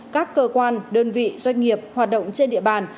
các cơ quan đơn vị doanh nghiệp hoạt động trên địa bàn